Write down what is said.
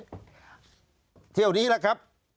ครับแล้วทีนี้แหละครับ